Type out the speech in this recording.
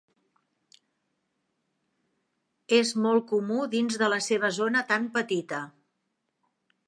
És molt comú dins de la seva zona tan petita.